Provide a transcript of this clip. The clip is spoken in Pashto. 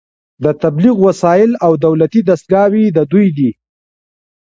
د تبلیغ وسایل او دولتي دستګاوې د دوی دي